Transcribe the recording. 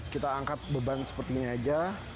kita angkat beban seperti ini aja